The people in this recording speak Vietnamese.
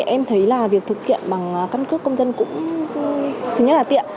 em thấy việc thực hiện bằng căn cước công dân cũng tiện